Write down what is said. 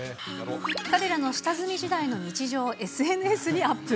彼らの下積み時代の日常をＳＮＳにアップ。